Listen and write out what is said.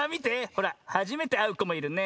ほらはじめてあうこもいるね。